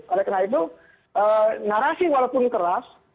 oleh karena itu narasi walaupun keras